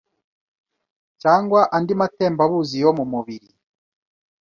cyangwa andi matembabuzi yo mu mubiri